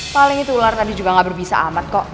paling itu ular tadi juga nggak berbisa amat kok